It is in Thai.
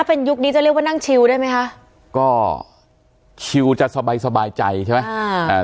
เป็นยุคนี้จะเรียกว่านั่งชิวได้ไหมคะก็ชิลจะสบายสบายใจใช่ไหมอ่าอ่า